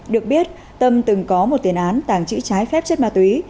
được biết tâm từng có một tiền án tàng trữ trái phép chất ma túy